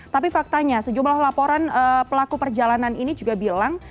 tapi faktanya sejumlah laporan pelaku perjalanan ini juga bilang